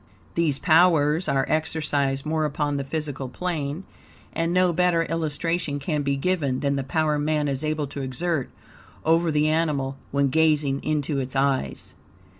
These powers are exercised more upon the physical plane, and no better illustration can be given, than, the power man is able to exert over the animal when gazing into its eyes.